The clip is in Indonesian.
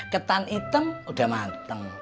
ketan hitam udah mateng